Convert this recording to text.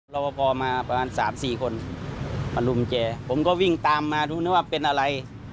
รอพอพอมาประมาณ๓๔คนมารุมแกผมก็วิ่งตามมาดูนึกว่าเป็นอะไร